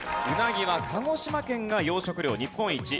ウナギは鹿児島県が養殖量日本一。